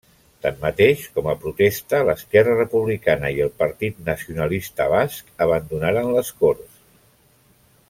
Tanmateix, com a protesta l'Esquerra Republicana i el Partit Nacionalista Basc, abandonaren les Corts.